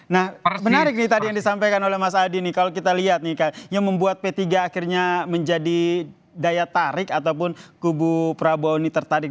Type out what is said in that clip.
nah menarik nih tadi yang disampaikan oleh mas adi nih kalau kita lihat nih yang membuat p tiga akhirnya menjadi daya tarik ataupun kubu prabowo ini tertarik